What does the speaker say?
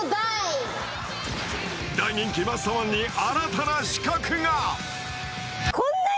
大人気マッサマンに新たな刺客が。